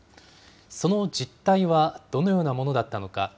その実態は、どのようなものだったのか。